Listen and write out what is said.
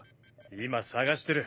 今捜してる。